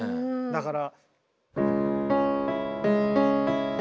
だから。